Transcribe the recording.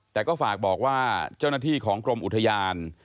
แต่ก็ฝากบอกว่าเจ้าหน้าที่ของกรมอุทยาน